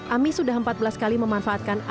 ami sudah empat belas kali memanfaatkan ajang promosi